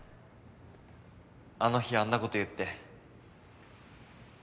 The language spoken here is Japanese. あの日あんなこと言って。